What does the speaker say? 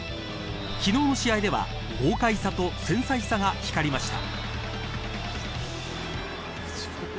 昨日の試合では豪快さと繊細さが光りました。